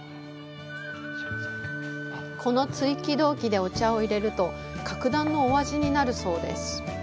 この鎚起銅器でお茶を淹れると格段のお味になるそうです。